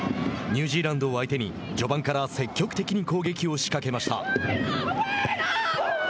ニュージーランドを相手に序盤から積極的に攻撃を仕掛けました。